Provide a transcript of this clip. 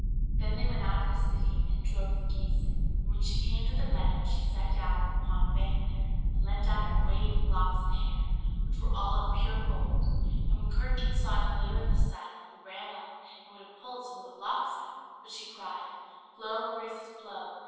Then they went out of the city, and drove the geese in. And when she came to the meadow, she sat down upon a bank here, and let down her waving locks of hair, which were all of pure gold; and when Curdken saw it glitter in the sun, he ran up, and would have pulled some of the locks out; but she cried "Blow, breezes, blow!